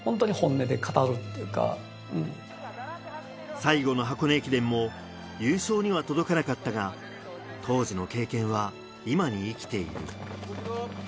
最後の箱根駅伝も優勝には届かなかったが、当時の経験は今に生きている。